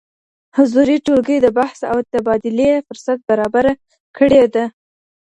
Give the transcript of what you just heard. حضوري ټولګي د بحث او تبادلې فرصت برابره کړې ده.